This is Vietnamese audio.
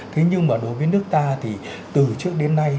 thế nhưng mà đối với nước ta thì từ trước đến nay